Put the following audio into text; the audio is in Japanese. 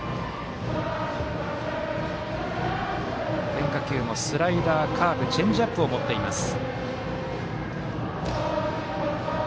変化球もスライダー、カーブチェンジアップを持っています。